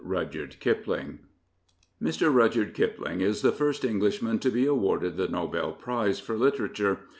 RUDYARD KIPLING Mr. Rudyard Kipling is the first Englishman to be awarded the Nobel Prize for Literature.